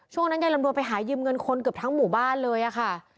ช่วงนั้นยายลำดวนไปหายืมเงินคนเกือบทั้งหมู่บ้านเลยค่ะ